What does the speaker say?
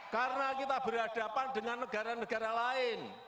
karena kita beradapan dengan negara negara lain